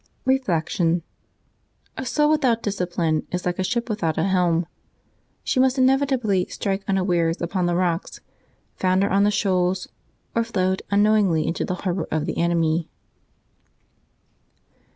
Reflection. — A soul without discipline is like a ship without a helm ; she must inevitably strike unawares upon the rocks, founder on the shoals, or float unknowingly into the harbor of the enemy.